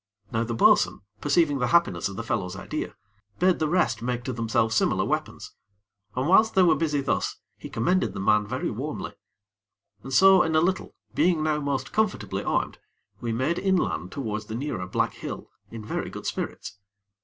Now the bo'sun, perceiving the happiness of the fellow's idea, bade the rest make to themselves similar weapons, and whilst they were busy thus, he commended the man very warmly. And so, in a little, being now most comfortably armed, we made inland towards the nearer black hill, in very good spirits.